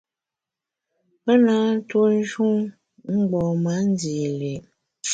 Pe nâ ntue njun mgbom-a ndî li’.